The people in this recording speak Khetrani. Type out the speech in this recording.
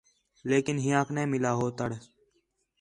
لیکن ہِیّانک نَے مِلا ہو تَڑ